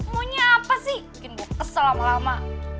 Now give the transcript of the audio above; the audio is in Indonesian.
maunya apa sih mungkin gue kesel lama lama